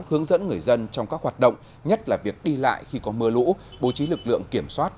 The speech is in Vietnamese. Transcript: hướng dẫn người dân trong các hoạt động nhất là việc đi lại khi có mưa lũ bố trí lực lượng kiểm soát